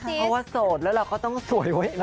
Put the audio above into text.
เพราะว่าโสดแล้วเราก็ต้องสวยไว้นะ